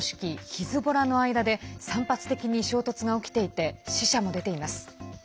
ヒズボラの間で散発的に衝突が起きていて死者も出ています。